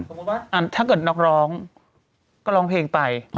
ว่าถ้าเกิดนักร้องก็ร้องเพลงไป